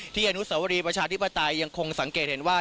อนุสวรีประชาธิปไตยยังคงสังเกตเห็นว่า